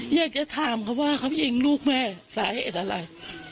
อยากจะถามเขาว่าเขายิงลูกแม่สาเหตุอะไร